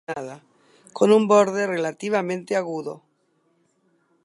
Esta es una formación poco erosionada, con un borde relativamente agudo.